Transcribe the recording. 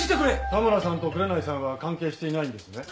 田村さんと紅さんは関係していないんですね？